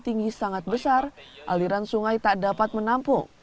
tinggi sangat besar aliran sungai tak dapat menampung